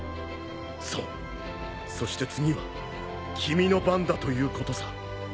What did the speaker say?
そうそして次は君の番だということさ。